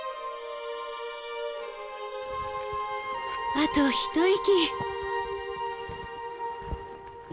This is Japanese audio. あと一息。